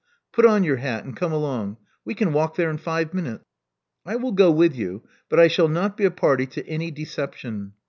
Put on your hat, and come along. We can walk there in five minutes." I will go with you; but I shall not be a party to any deception.